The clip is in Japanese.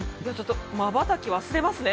まばたき忘れますね。